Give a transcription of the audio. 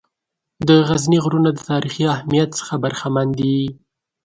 د غزني غرونه د تاریخي اهمیّت څخه برخمن دي.